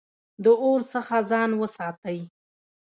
د اور څخه ځان وساتئ